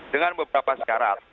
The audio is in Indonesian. dengan beberapa syarat